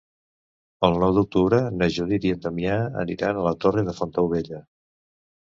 El nou d'octubre na Judit i en Damià aniran a la Torre de Fontaubella.